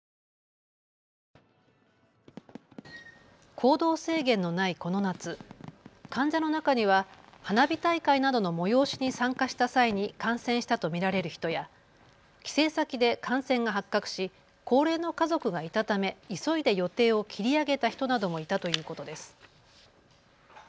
行動制限のないこの夏、患者の中には花火大会などの催しに参加した際に感染したと見られる人や帰省先で感染が発覚し高齢の家族がいたため急いで予定を切り上げた人などもいたということです。